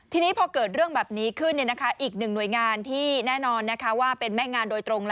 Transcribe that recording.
ทีนี้พอเกิดเรื่องแบบนี้ขึ้นอีกหนึ่งหน่วยงานที่แน่นอนว่าเป็นแม่งานโดยตรง